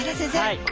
はい。